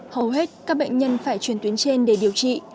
hầu hết các bệnh nhân phải chuyển tuyến trên để điều trị